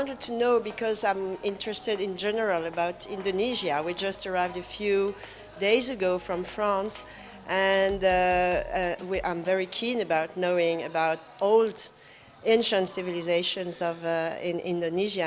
dan saya sangat berharga mengetahui tentang civilisasi lama di indonesia